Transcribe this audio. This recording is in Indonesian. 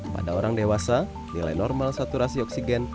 pada orang dewasa nilai normal saturasi oksigen